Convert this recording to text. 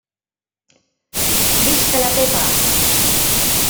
Visca la Pepa!